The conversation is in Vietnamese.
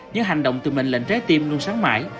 những hành động từ mình lệnh trái tim luôn sáng mãi